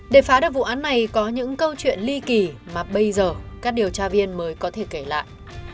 để phá được vụ án này có những câu chuyện ly kỳ mà bây giờ các điều tra viên mới có thể kể lại